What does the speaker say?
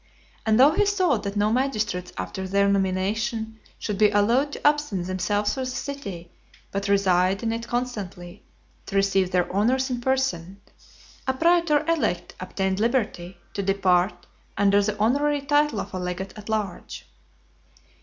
And though he thought that no magistrates after their nomination should be allowed to absent themselves from the city, but reside in it constantly, to receive their honours in person, a praetor elect obtained liberty to depart under the honorary title of a legate at large.